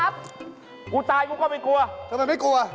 กูตายกูไม่กลัว